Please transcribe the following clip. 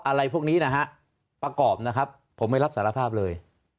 อะไรพวกนี้นะฮะประกอบนะครับผมไม่รับสารภาพเลย